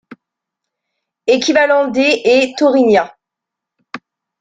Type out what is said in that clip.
Équivalent des et Thorignat.